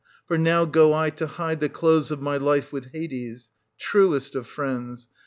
For now go I to hide the close of my life with Hades. — Truest of friends !